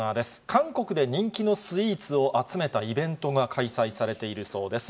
韓国で人気のスイーツを集めたイベントが開催されているそうです。